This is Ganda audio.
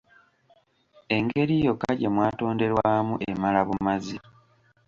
Engeri yokka gye mwatonderwamu emala bumazi.